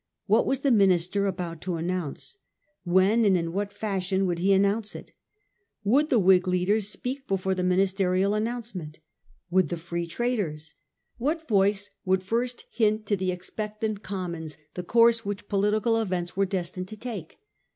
What was the minister about to announce ? When and in what fashion would he announce it ? Would the Whig leaders speak before the ministerial an nouncement? Would the Free Traders? What voice would first hint to the expectant Commons the course which political events were destined to take